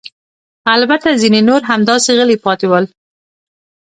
البته ځیني نور همداسې غلي پاتې ول.